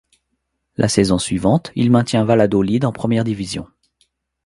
La saison suivante, il maintient Valladolid en Première division.